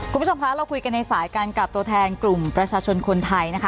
คุณผู้ชมคะเราคุยกันในสายกันกับตัวแทนกลุ่มประชาชนคนไทยนะคะ